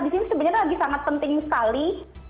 di sini sebenarnya lagi sangat penting sekali